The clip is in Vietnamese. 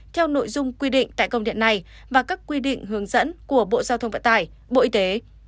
theo nội dung quy định tại công điện này và các quy định hướng dẫn của bộ giao thông vận tải bộ y tế